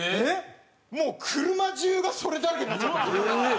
もう車中がそれだらけになっちゃったんですよ。